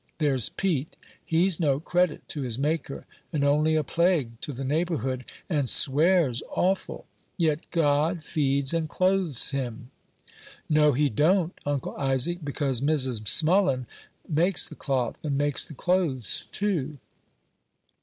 There's Pete; he's no credit to his Maker, and only a plague to the neighborhood, and swears awful; yet God feeds and clothes him." "No, he don't, Uncle Isaac; because Mrs. Smullen makes the cloth, and makes the clothes, too."